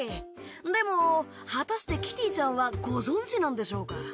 でも果たしてキティちゃんはご存じなんでしょうか？